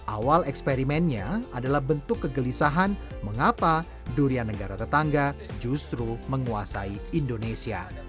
awal eksperimennya adalah bentuk kegelisahan mengapa durian negara tetangga justru menguasai indonesia